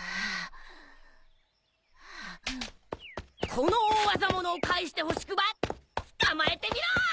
この大業物を返してほしくば捕まえてみろ！